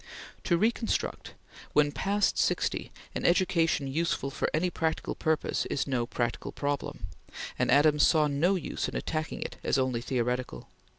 To reconstruct, when past sixty, an education useful for any practical purpose, is no practical problem, and Adams saw no use in attacking it as only theoretical.